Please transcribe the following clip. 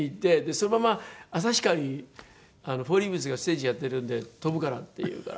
そのまま旭川にフォーリーブスがステージやってるんで飛ぶからっていうから。